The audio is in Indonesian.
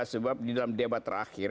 sebab di dalam debat terakhir